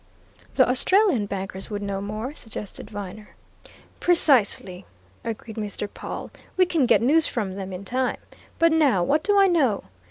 "The Australian bankers would know more," suggested Viner. "Precisely!" agreed Mr. Pawle. "We can get news from them, in time. But now, what do I know?